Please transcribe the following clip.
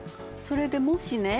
それでもしね